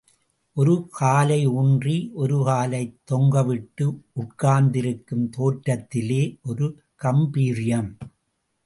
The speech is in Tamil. ஒரு காலை ஊன்றி, ஒரு காலைத் தொங்க விட்டு உட்கார்ந்திருக்கும் தோற்றத்திலே ஒரு காம்பீர்யம்.